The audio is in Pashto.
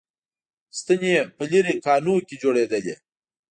ستنې په لېرې کانونو کې جوړېدلې